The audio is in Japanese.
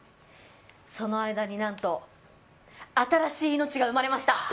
その間に、なんと新しい命が生まれました。